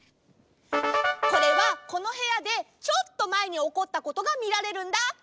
これはこのへやでちょっとまえにおこったことがみられるんだ。